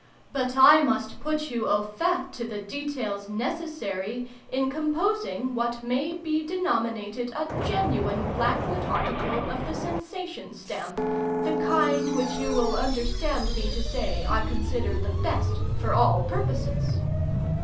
But I must put you au fait to the details necessary in composing what may be denominated a genuine Blackwood article of the sensation stamp—the kind which you will understand me to say I consider the best for all purposes.